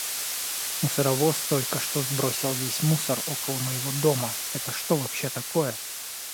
Мусоровоз только что сбросил весь мусор около моего дома. Это что вообще такое?